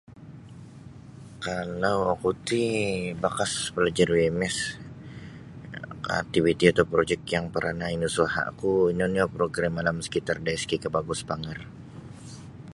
Kalau oki ti bakas palajar UMS aktiviti atau projik yang parnah inusahaku ino nio Progrim Alam Sekitar da SK Kabagu Sepanggar.